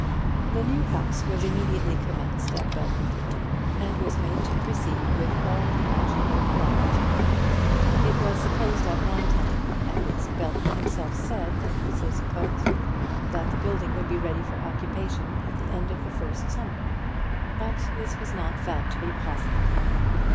The new house was immediately commenced at Belton, and was made to proceed with all imaginable alacrity. It was supposed at one time, at least Belton himself said that he so supposed, that the building would be ready for occupation at the end of the first summer; but this was not found to be possible.